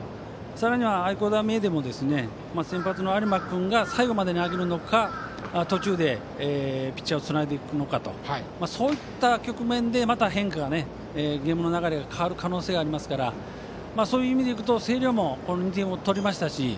さらには愛工大名電も先発の有馬君が最後まで投げるのか、途中でピッチャーをつないでいくのかそういった局面でまた変化、ゲームの流れが変わる可能性がありますのでそういう意味でいくと星稜も２点を取りましたし